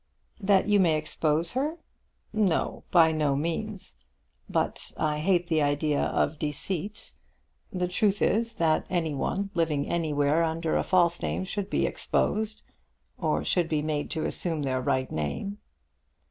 "That you may expose her?" "No; by no means. But I hate the idea of deceit. The truth is, that any one living anywhere under a false name should be exposed, or should be made to assume their right name."